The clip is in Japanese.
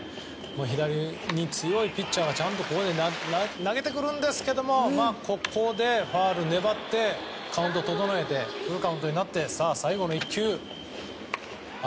左に強いピッチャーがここで投げてくるんですけどここでファウルで粘ってカウントを整えてフルカウントになって最後の１球。